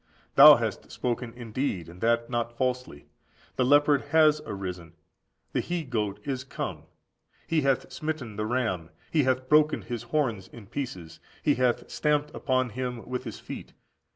Thou hast spoken indeed, and that not falsely. The leopard has arisen; the he goat is come; he hath smitten the ram; he hath broken his horns in pieces; he hath stamped upon him with his feet.